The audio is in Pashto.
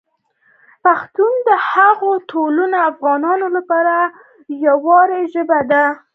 پښتو د هغو ټولو افغانانو لپاره د ویاړ ژبه ده.